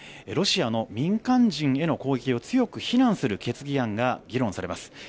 ロシアの民間人への攻撃を強く非難する決議案が議論されます。